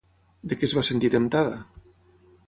De què es va sentir temptada?